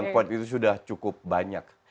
sembilan poin itu sudah cukup banyak